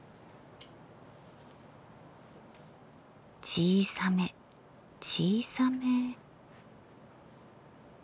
小さめ小さめ。